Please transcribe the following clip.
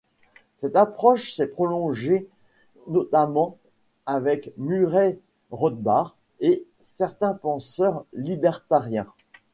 Cette approche s'est prolongée notamment avec Murray Rothbard et certains penseurs libertariens.